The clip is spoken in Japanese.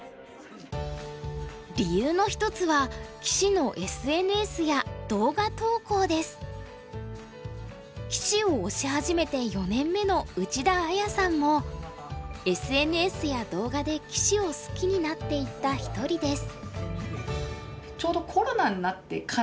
理由の一つは棋士を推し始めて４年目の内田綾さんもＳＮＳや動画で棋士を好きになっていった一人です。